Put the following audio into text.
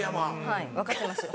はい分かってます。